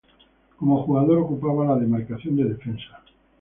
Como jugador ocupaba la demarcación de defensa.